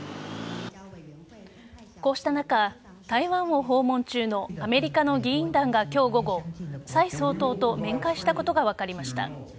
こうした中、台湾を訪問中のアメリカの議員団が今日午後蔡総統と面会したことが分かりました。